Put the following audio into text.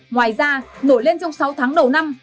ngoài ra nổi lên trong sáu tháng đầu năm